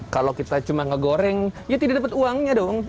kalau kita cuma ngegoreng ya tidak dapat uangnya dong